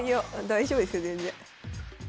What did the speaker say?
大丈夫ですよ全然。